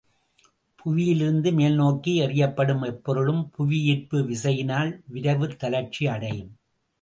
புவியிலிருந்து மேல்நோக்கி எறியப்படும் எப்பொருளும் புவிஈர்ப்பு விசையினால் விரைவுத் தளர்ச்சி அடையும்.